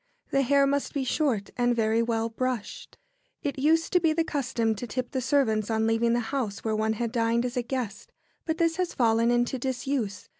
The hair must be short and very well brushed. It used to be the custom to tip the servants on leaving the house where one had dined as a guest, but this has fallen into disuse.